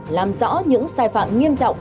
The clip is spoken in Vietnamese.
làm rõ những sai phạm nghiêm trọng